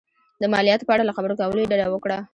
د مالیاتو په اړه له خبرو کولو یې ډډه وکړه.